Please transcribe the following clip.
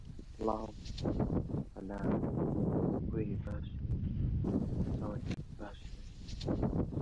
His company, Sinclair Radionics, also advertised their products extensively in the magazine.